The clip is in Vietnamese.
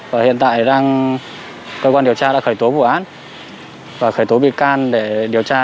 và hiện tại cơ quan điều tra đã khởi tố vụ án và khởi tố bị can để điều tra